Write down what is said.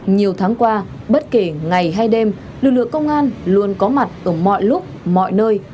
nhiều tháng qua bất kể ngày hay đêm lực lượng công an luôn có mặt ở mọi lúc mọi nơi